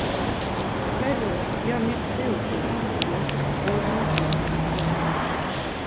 Hele, ya mitzvi utzu şkule, Ğormoti ham seri!